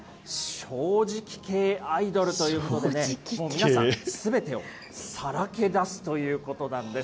正直系アイドルということでね、もう皆さん、すべてをさらけ出すということなんです。